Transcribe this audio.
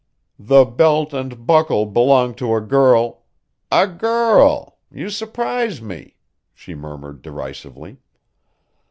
"The belt and buckle belong to a girl " "A girl! You surprise me," she murmured derisively.